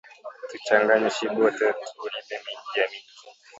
Tu changane shi bote, tu rime minji ya mingi